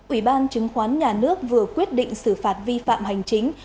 ủy ban chứng khoán nhà nước vừa quyết định xử phạt vi phạm hành chính